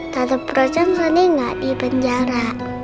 tante frozen tadi gak di penjara